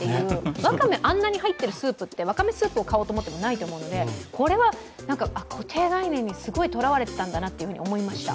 わかめ、あんなに入ってるスープってわかめスープを買おうと思ってもないと思うのでこれは自分が固定概念にすごいとらわれていたんだなと思いました。